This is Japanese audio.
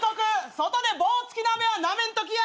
外で棒付きのあめはなめんときや！